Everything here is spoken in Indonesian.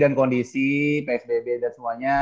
dan kondisi psbb dan semuanya